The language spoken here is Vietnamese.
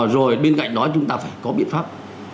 rồi bên cạnh đó chúng ta phải có biện pháp